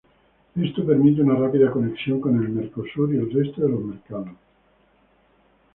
Esto permite una rápida conexión con el Mercosur y el resto de los mercados.